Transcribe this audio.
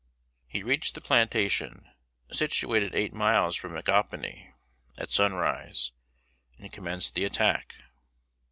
He reached the plantation, situated eight miles from Micanopy, at sunrise, and commenced the attack.